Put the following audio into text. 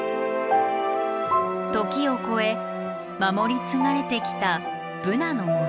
時を超え守り継がれてきたブナの森。